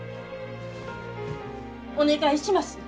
お願いします！